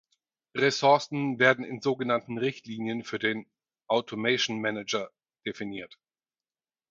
Ressourcen werden in sogenannten Richtlinien für den „Automation Manager“ definiert.